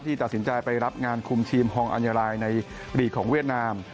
ตัดสินใจไปรับงานคุมทีมฮองอัญญาลายในหลีกของเวียดนาม